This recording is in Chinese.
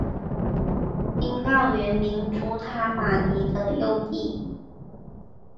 宾告原名朱他玛尼的幼弟。